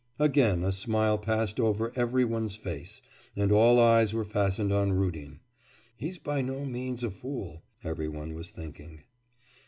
Again a smile passed over every one's face, and all eyes were fastened on Rudin. 'He's by no means a fool,' every one was thinking.